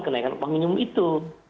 kenaikan upah minimum itu